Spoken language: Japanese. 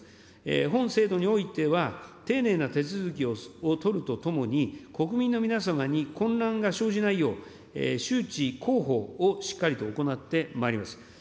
本制度においては、丁寧な手続きを取るとともに、国民の皆様に混乱が生じないよう、周知広報をしっかりと行ってまいります。